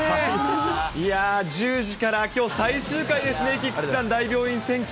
いや、１０時からきょう、最終回ですね、菊池さん、大病院占拠。